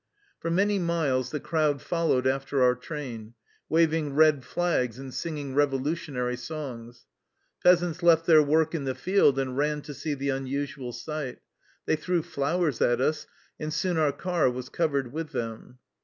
For many miles the crowd followed after our train, waving red flags and singing revolution ary songs. Peasants left their work in the field and ran to see the unusual sight. They threw flowers at us, and soon our car was covered with them.